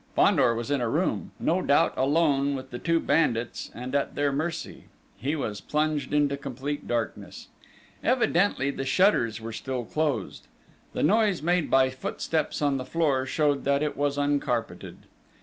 Fandor was in a room; no doubt, alone with the two bandits, and at their mercy! He was plunged into complete darkness. Evidently the shutters were still closed. The noise made by footsteps on the floor showed that it was uncarpeted.